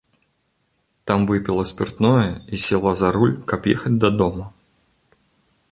Там выпіла спіртное і села за руль, каб ехаць дадому.